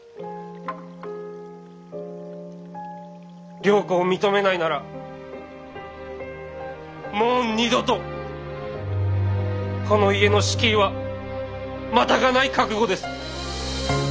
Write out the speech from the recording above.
良子を認めないならもう二度とこの家の敷居はまたがない覚悟です。